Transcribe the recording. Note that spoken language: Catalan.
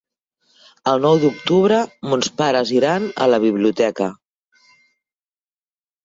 El nou d'octubre mons pares iran a la biblioteca.